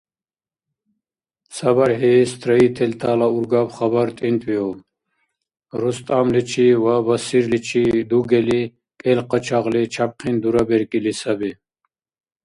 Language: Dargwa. ЦабархӀи строителтала ургаб хабар тӀинтӀбиуб: «РустӀамличи ва Басирличи дугели кӀел къачагъли чябхъин дураберкӀили саби».